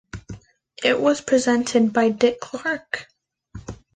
It was presented by Dick Clark.